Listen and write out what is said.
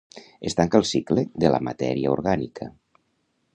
Es tanca el cicle de la matèria orgànica.